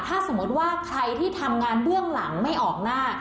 ถ้าสมมติว่าใครที่ทำงานเบื้องหลังไม่ออกหน้า